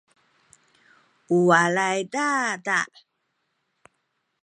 u walay dada’